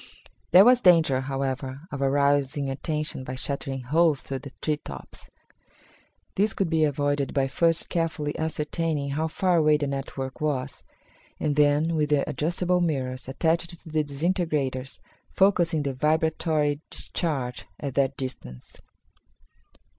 There was danger, however, of arousing attention by shattering holes through the tree tops. This could be avoided by first carefully ascertaining how far away the network was, and then with the adjustable mirrors attached to the disintegrators focusing the vibratory discharge at that distance.